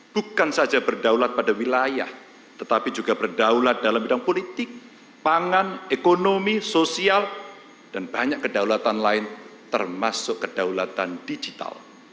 bukan saja berdaulat pada wilayah tetapi juga berdaulat dalam bidang politik pangan ekonomi sosial dan banyak kedaulatan lain termasuk kedaulatan digital